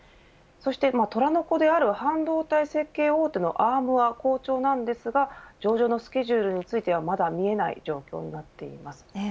そして、虎の子である半導体設計大手のアームは好調なんですが上場のスケジュールについてはまだ見えない状況になっています。